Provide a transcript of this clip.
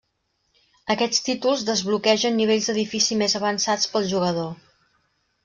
Aquests títols desbloquegen nivells d'edifici més avançats pel jugador.